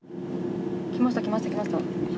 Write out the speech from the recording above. きましたきましたきました